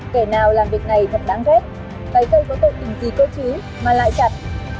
kẻ nào làm việc này thật đáng ghét tay cây có tội tình gì cơ chứ mà lại chặt